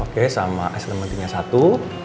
oke sama eslementinya satu